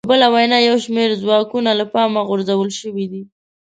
په بله وینا یو شمېر ځواکونه له پامه غورځول شوي دي